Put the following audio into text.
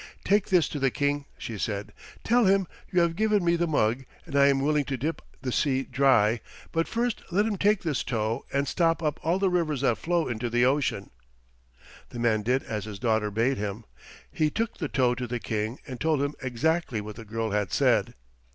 "Take this to the King," she said. "Tell him you have given me the mug, and I am willing to dip the sea dry, but first let him take this tow and stop up all the rivers that flow into the ocean." The man did as his daughter bade him. He took the tow to the King and told him exactly what the girl had said.